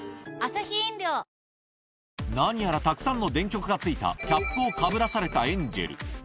何やらたくさんの電極がついたキャップをかぶらされたエンジェル。